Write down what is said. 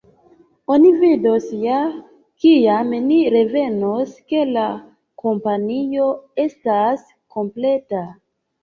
Oni vidos ja, kiam ni revenos, ke la kompanio estas kompleta.